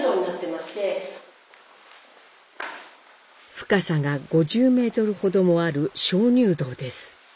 深さが５０メートルほどもある鍾乳洞です。